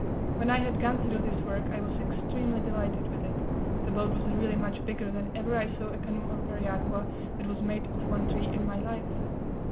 When I had gone through this work I was extremely delighted with it. The boat was really much bigger than ever I saw a canoe or periagua, that was made of one tree, in my life.